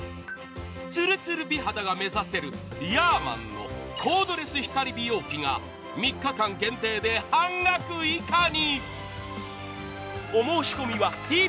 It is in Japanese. ツルツル美肌が目指せるヤーマンのコードレス光美容器が３日限定で半額以下に。